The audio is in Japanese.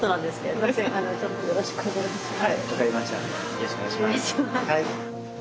よろしくお願いします。